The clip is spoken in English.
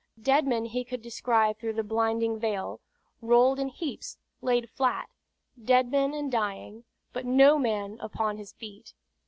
Dead men he could descry through the blinding veil, rolled in heaps, laid flat; dead men and dying; but no man upon his feet.